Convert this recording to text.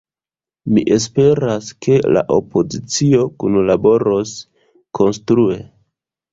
Mi esperas, ke la opozicio kunlaboros konstrue.